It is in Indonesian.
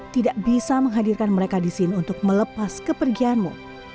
tidak bisa menghadirkan mereka di sini untuk melepas kepergianmu